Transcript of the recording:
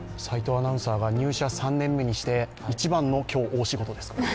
齋藤アナウンサーが入社３年目にして一番の、今日、大仕事です。